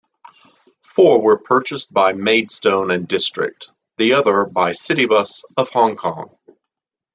Four were purchased by Maidstone and District, the other by Citybus of Hong Kong.